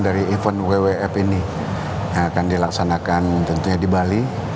dari event wwf ini yang akan dilaksanakan tentunya di bali